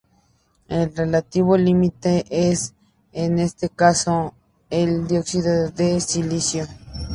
El reactivo limitante es, en este caso, el dióxido de silicio.